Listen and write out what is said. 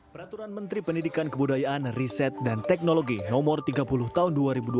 peraturan menteri pendidikan kebudayaan riset dan teknologi no tiga puluh tahun dua ribu dua puluh